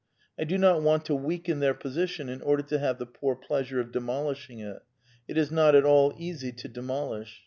I do not want to weaken their position in order to have the poor pleasure of demolishing it. It is not at all easy to demolish.